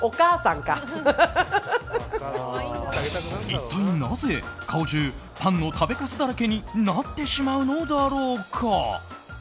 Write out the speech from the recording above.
一体なぜ顔中パンの食べかすだらけになってしまうのだろうか。